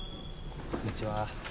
こんにちは。